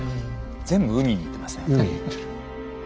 全部海に行ってますねやっぱり。